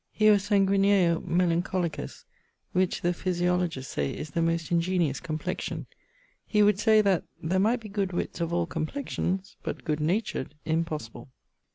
He was sanguineo melancholicus; which the physiologers say is the most ingeniose complexion. He would say that 'there might be good witts of all complexions; but good natured, impossible.'